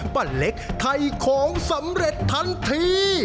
ป้าเล็กไทยของสำเร็จทันที